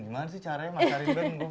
gimana sih caranya masarin bener deh